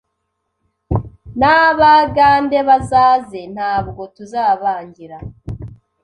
N’abagande bazaze, ntabwo tuzabangira